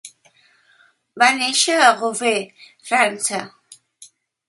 Va néixer a Roubaix, França.